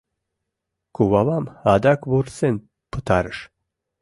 Кувавам адак вурсен пытарыш